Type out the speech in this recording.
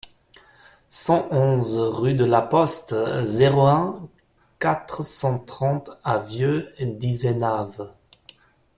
cent onze rue de la Poste, zéro un, quatre cent trente à Vieu-d'Izenave